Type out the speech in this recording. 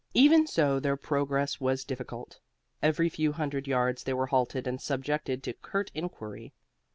Even so, their progress was difficult. Every few hundred yards they were halted and subjected to curt inquiry.